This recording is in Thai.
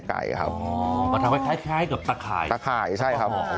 ข้างบัวแห่งสันยินดีต้อนรับทุกท่านนะครับ